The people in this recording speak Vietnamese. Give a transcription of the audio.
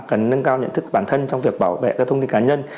cần nâng cao nhận thức bản thân trong việc bảo vệ các thông tin cá nhân